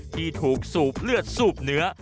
ที่ถูกสูบเลือดสูบเนื้อ